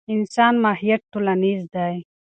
د انسان ماهیت ټولنیز دی.